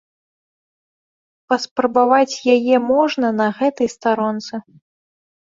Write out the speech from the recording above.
Паспрабаваць яе можна на гэтай старонцы.